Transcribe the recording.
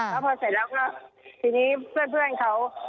แล้วพอเสร็จแล้วก็ทีนี้เพื่อนเขา